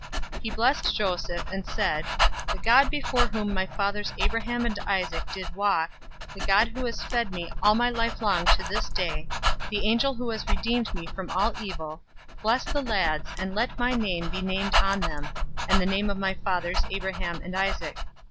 048:015 He blessed Joseph, and said, "The God before whom my fathers Abraham and Isaac did walk, the God who has fed me all my life long to this day, 048:016 the angel who has redeemed me from all evil, bless the lads, and let my name be named on them, and the name of my fathers Abraham and Isaac.